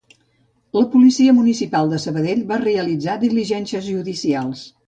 La Policia Municipal de Sabadell va realitzar diligències judicials.